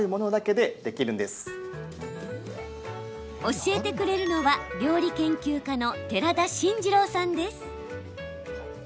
教えてくれるのは料理研究家の寺田真二郎さんです。